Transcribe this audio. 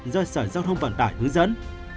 do sở giao thông vận tải hướng dẫn